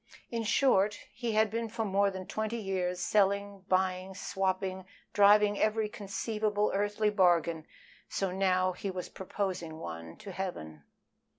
In short, he had been for more than twenty years selling, buying, swapping, driving every conceivable earthly bargain so now he was proposing one to Heaven.